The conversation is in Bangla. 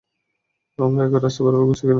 আমরা একই রাস্তায় বারবার ঘুরছি কেন?